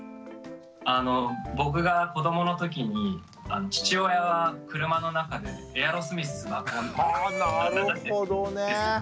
僕が子どものときに父親は車の中でエアロスミス流してたんです。